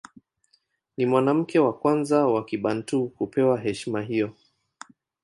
Ni mwanamke wa kwanza wa Kibantu kupewa heshima hiyo.